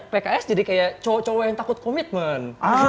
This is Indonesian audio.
pks jadi kayak cowok cowok yang takut komitmen